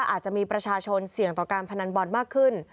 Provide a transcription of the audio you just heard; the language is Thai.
อาจจะมีประชาชนเสี่ยงต่อการพนันบอลมากขึ้น